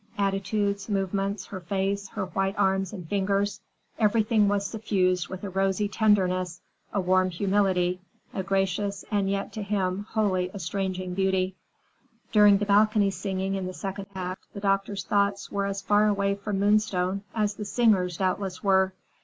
Attitudes, movements, her face, her white arms and fingers, everything was suffused with a rosy tenderness, a warm humility, a gracious and yet—to him—wholly estranging beauty. During the balcony singing in the second act the doctor's thoughts were as far away from Moonstone as the singer's doubtless were.